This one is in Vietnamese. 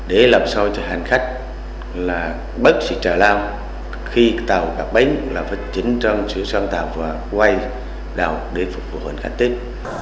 để làm sao cho hành khách bất sự trả lao khi tàu gặp bến là phải chính trong sự sân tạo và quay đảo để phục vụ hành khách tết